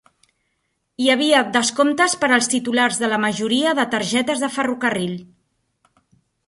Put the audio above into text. Hi havia descomptes per als titulars de la majoria de targetes de ferrocarril.